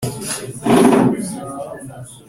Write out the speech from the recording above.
yahawe akazi mu nzego z imirimo ya leta